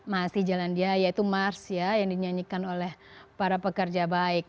masih jalan dia yaitu mars ya yang dinyanyikan oleh para pekerja baik